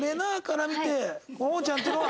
保乃ちゃんっていうのは。